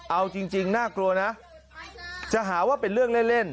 เอาจริงน่ากลัวนะจะหาว่าเป็นเรื่องเล่น